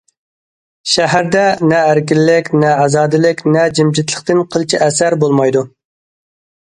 شەھەردە نە ئەركىنلىك، نە ئازادىلىك، نە جىمجىتلىقتىن قىلچە ئەسەر بولمايدۇ.